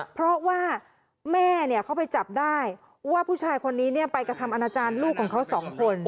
เพราะว่าแม่เขาไปจับได้ว่าผู้ชายคนนี้ไปกระทำอนาจารย์ลูกของเขาสองคน